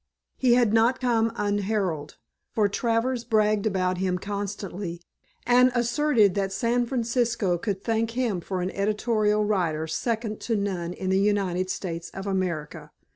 He did not come unheralded, for Travers bragged about him constantly and asserted that San Francisco could thank him for an editorial writer second to none in the United States of America.